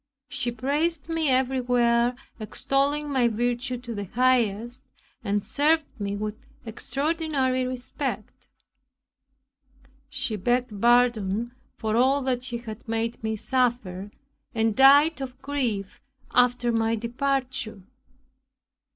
She praised me everywhere, extolling my virtue to the highest and served me with extraordinary respect. She begged pardon for all that she had made me suffer, and died of grief after my departure.